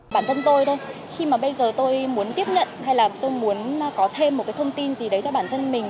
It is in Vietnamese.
bản thân tôi thôi khi mà bây giờ tôi muốn tiếp nhận hay là tôi muốn có thêm một cái thông tin gì đấy cho bản thân mình